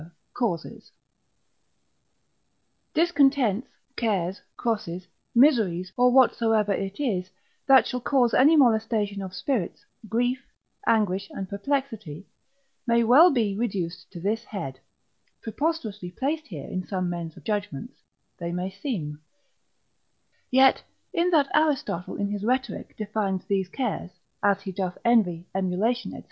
Causes_. Discontents, cares, crosses, miseries, or whatsoever it is, that shall cause any molestation of spirits, grief, anguish, and perplexity, may well be reduced to this head, (preposterously placed here in some men's judgments they may seem,) yet in that Aristotle in his Rhetoric defines these cares, as he doth envy, emulation, &c.